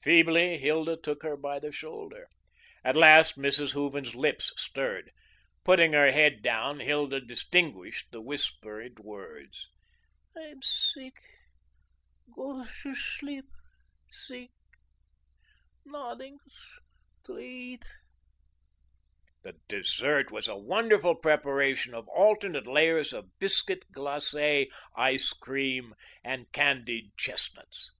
Feebly Hilda shook her by the shoulder. At last Mrs. Hooven's lips stirred. Putting her head down, Hilda distinguished the whispered words: "I'm sick. Go to schleep....Sick....Noddings to eat." The dessert was a wonderful preparation of alternate layers of biscuit glaces, ice cream, and candied chestnuts.